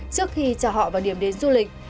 trước khi trả họ vào điểm đến du lịch